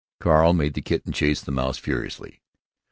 Carl made the kitten chase the mouse furiously.